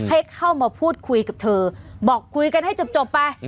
ให้เข้ามาพูดคุยกับเธอบอกคุยกันให้จบไป